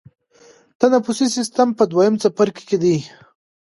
تنفسي سیستم په دویم څپرکي کې دی.